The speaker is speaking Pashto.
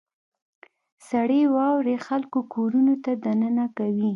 • سړې واورې خلک کورونو ته دننه کوي.